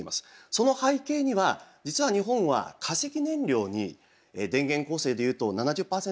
その背景には実は日本は化石燃料に電源構成でいうと７０％以上頼ってるんですね。